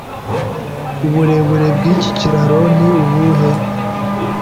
Uburebure bwiki kiraro ni ubuhe?